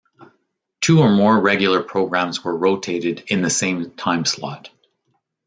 Two or more regular programs were rotated in the same time slot.